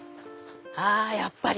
あやっぱり！